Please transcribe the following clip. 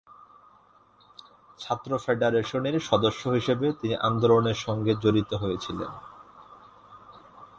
ছাত্র ফেডারেশনের সদস্য হিসেবে তিনি আন্দোলনের সঙ্গে জড়িত হয়েছিলেন।